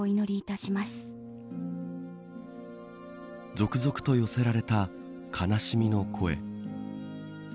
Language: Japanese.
続々と寄せられた悲しみの声。